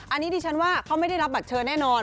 อันนี้ดิฉันว่าเขาไม่ได้รับบัตรเชิญแน่นอน